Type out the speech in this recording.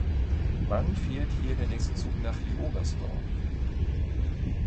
Wann fährt hier der nächste Zug nach Leobersdorf?